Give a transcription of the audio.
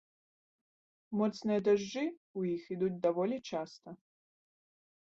Моцныя дажджы ў іх ідуць даволі часта.